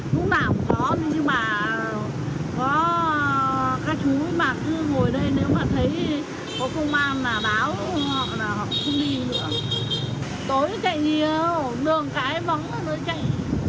tối chạy nhiều đường cái vắng rồi nó chạy